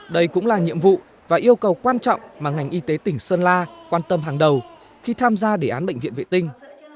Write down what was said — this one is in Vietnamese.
đây cũng là nhiệm vụ và yêu cầu quan trọng mà ngành y tế tỉnh sơn la quan tâm hàng đầu khi tham gia đề án bệnh viện vệ tinh